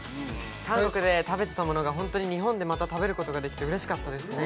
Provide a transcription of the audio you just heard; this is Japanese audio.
韓国で食べてたものが日本でまた食べることができて嬉しかったですね